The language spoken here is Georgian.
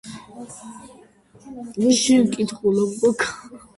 სასულთნოს გამორჩეული მმართველი იყო დალი, რომელიც დედის მხრიდან ეკუთვნოდა ფურების ტომს.